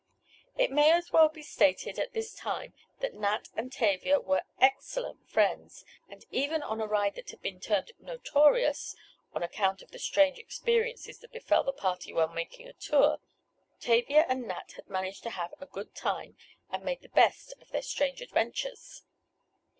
It may as well be stated at this time that Nat and Tavia were excellent friends, and even on a ride that had been termed notorious (on account of the strange experiences that befell the party while making a tour), Tavia and Nat had managed to have a good time, and made the best of their strange adventures.